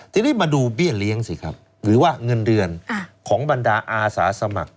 ทีนี้มาดูเบี้ยเลี้ยงสิครับหรือว่าเงินเดือนของบรรดาอาสาสมัคร